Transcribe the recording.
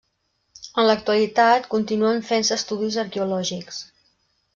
En l'actualitat continuen fent-se estudis arqueològics.